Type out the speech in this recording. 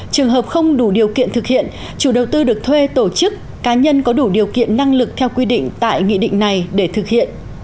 trường hợp không đủ điều kiện thực hiện chủ đầu tư được thuê tổ chức cá nhân có đủ điều kiện năng lực theo quy định tại nghị định này để thực hiện